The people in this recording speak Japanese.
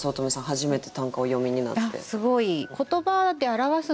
初めて短歌お詠みになって。